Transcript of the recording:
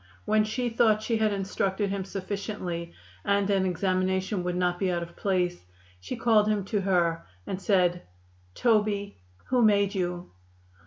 When she thought she had instructed him sufficiently and an examination would not be out of place, she called him to her and said: "Toby, who made you?"